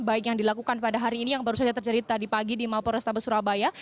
baik yang dilakukan pada hari ini yang baru saja terjadi tadi pagi di mapol restabes surabaya